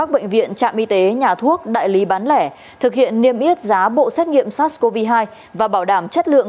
bán lẻ thực hiện niêm yết giá bộ xét nghiệm sars cov hai và bảo đảm chất lượng